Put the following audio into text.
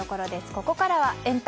ここからはエンタ！